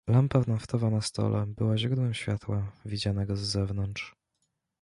"Lampa naftowa na stole była źródłem światła, widzianego z zewnątrz."